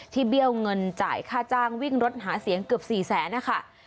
ที่เบี้ยวเงินจ่ายค่าจ้างวิ่งรถหาเสียงเกือบ๔๐๐๐๐๐บาท